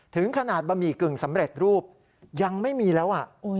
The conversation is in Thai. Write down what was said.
ถึงขนาดบะหมี่กึ่งสำเร็จรูปยังไม่มีแล้ว